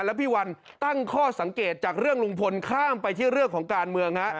แล้วพี่วันตั้งข้อสังเกตจากเรื่องลุงพลข้ามไปที่เรื่องของการเมืองฮะ